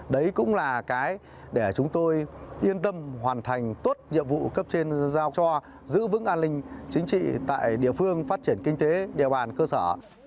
đấy cũng là cái để chúng tôi yên tâm hoàn thành tốt nhiệm vụ cấp trên giao cho giữ vững an ninh chính trị tại địa phương phát triển kinh tế địa bàn cơ sở